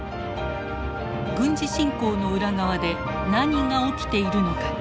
軍事侵攻の裏側で何が起きているのか。